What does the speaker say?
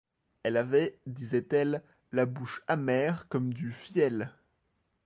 Elle avait, disait-elle, la bouche amère comme du fiel.